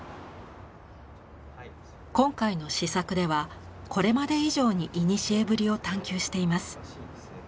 今回の試作ではこれまで以上に古ぶりを探求しています。